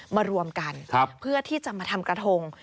มารวมกันเพื่อที่จะมาทำกระทง